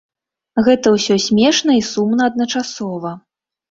Гэта ўсё смешна і сумна адначасова.